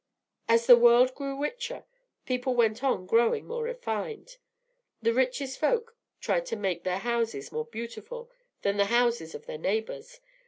As the world grew richer, people went on growing more refined. The richest folks tried to make their houses more beautiful than the houses of their neighbors.